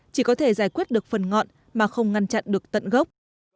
chỉ có thể giải quyết được phần ngọn mà không ngăn chặn được tận gốc